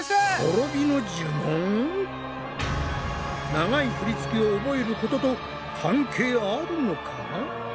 長い振り付けを覚えることと関係あるのか？